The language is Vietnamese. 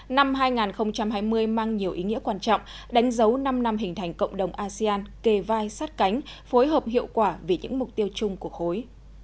năm hai nghìn hai mươi mang nhiều ý nghĩa quan trọng đánh dấu năm năm hình thành cộng đồng asean kề vai sát cánh phối hợp hiệu quả vì những mục tiêu chung của khối